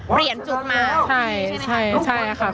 เปลี่ยนจุดมาใช่ใช่ค่ะ